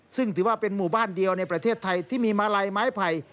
ซึ่งถือว่าเป็นหมู่บ้านเดียวในประเทศไทยที่มีมาลัยไม้ไผ่